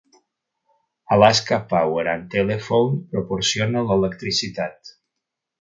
Alaska Power and Telephone proporciona l'electricitat.